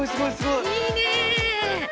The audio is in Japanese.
いいね。